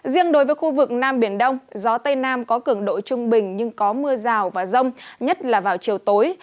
riêng đối với khu vực nam biển đông gió tây nam có cường độ trung bình nhưng có mưa rào và rông nhất là vào chiều tối